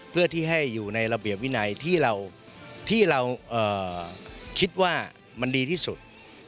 เพื่อที่ให้อยู่ในระเบียบวินัยที่เราคิดว่ามันดีที่สุด